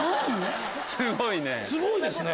すごいね。